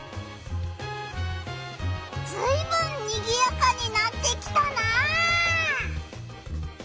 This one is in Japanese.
ずいぶんにぎやかになってきたな！